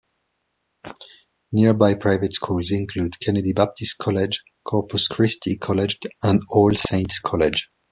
Nearby private schools include Kennedy Baptist College, Corpus Christi College and All Saints' College.